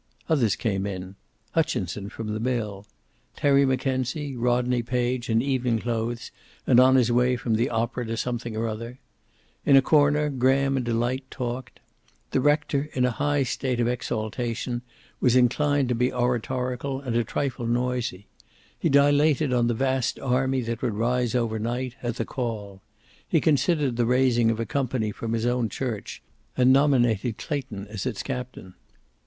Others came in. Hutchinson, from the mill. Terry Mackenzie, Rodney Page, in evening clothes and on his way from the opera to something or other. In a corner Graham and Delight talked. The rector, in a high state of exaltation, was inclined to be oratorical and a trifle noisy. He dilated on the vast army that would rise overnight, at the call. He considered the raising of a company from his own church, and nominated Clayton as its captain.